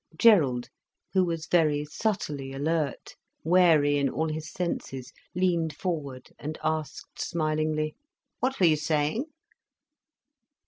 Gerald, who was very subtly alert, wary in all his senses, leaned forward and asked smilingly: "What were you saying?"